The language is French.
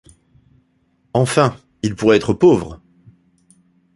Enfin, il pourrait être pauvre!